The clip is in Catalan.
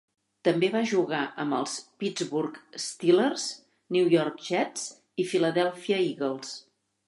També va jugar amb els Pittsburgh Steelers, New York Jets, i Philadelphia Eagles.